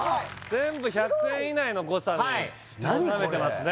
全部１００円以内の誤差におさめてますね